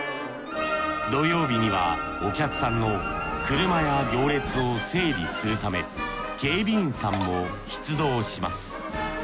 土曜日にはお客さんの車や行列を整理するため警備員さんも出動します。